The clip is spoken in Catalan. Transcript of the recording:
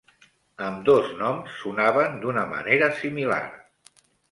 Ambdós noms sonaven d'una manera similar.